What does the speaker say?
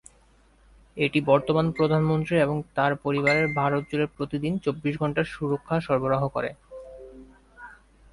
এটি বর্তমান প্রধানমন্ত্রী এবং তার পরিবারকে ভারত জুড়ে প্রতিদিন, চব্বিশ ঘন্টা সুরক্ষা সরবরাহ করে।